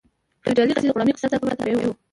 فیوډالي اقتصاد د غلامي اقتصاد په پرتله طبیعي و.